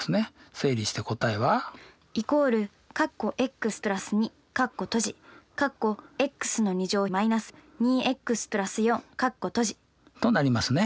整理して答えは？となりますね。